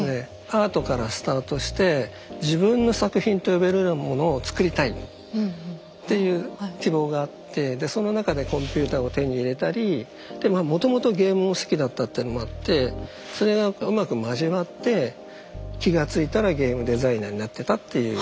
アートからスタートして自分の作品と呼べるようなものを作りたいっていう希望があってでその中でコンピューターを手に入れたりでまあもともとゲームを好きだったっていうのもあってそれがうまく交わって気が付いたらゲームデザイナーになってたっていう。